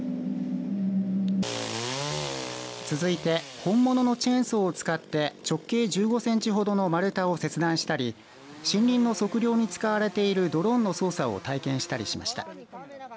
続いて、本物のチェーンソーを使って直径１５センチほどの丸太を切断したり森林の測量に使われているドローンの操作を体験したりしました。